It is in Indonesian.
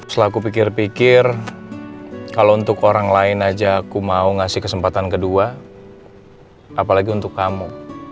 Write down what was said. selaku pikir pikir kalau untuk orang lain aja aku mau ngasih kesempatan kedua apalagi untuk kamu